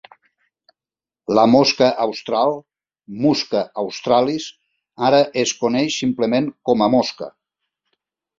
La Mosca Austral, Musca Australis, ara es coneix simplement com a Musca.